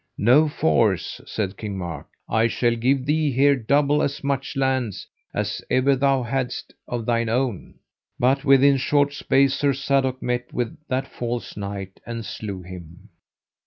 No force, said King Mark, I shall give thee here double as much lands as ever thou hadst of thine own. But within short space Sir Sadok met with that false knight, and slew him.